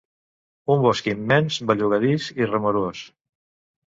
Un bosc immens, bellugadís i remorós